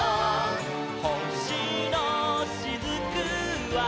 「ほしのしずくは」